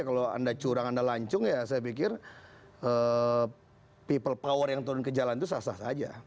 kalau anda curang anda lancung ya saya pikir people power yang turun ke jalan itu sah sah saja